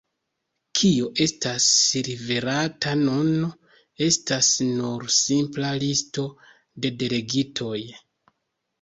Kio estas liverata nun, estas nur simpla listo de delegitoj.